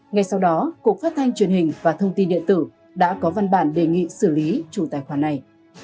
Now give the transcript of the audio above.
ngay sau đó cục phát thanh truyền hình và thông tin điện tử đã có văn bản đề nghị xử lý chủ tài khoản này